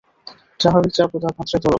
স্বাভাবিক চাপ ও তাপমাত্রায় তরল।